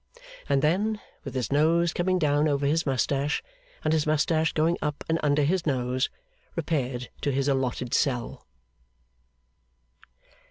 And then, with his nose coming down over his moustache and his moustache going up and under his nose, repaired to his allotted cell.